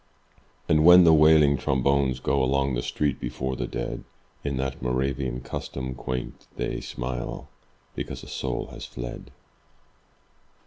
And when the wailing trombones go Along the street before the dead In that Moravian custom quaint, They smile because a soul has fled.